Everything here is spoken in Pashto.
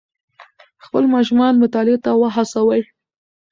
خپل ماشومان مطالعې ته وهڅوئ.